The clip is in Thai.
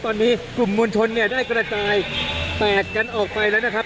ตอนนี้กลุ่มมวลชนเนี่ยได้กระจายแตกกันออกไปแล้วนะครับ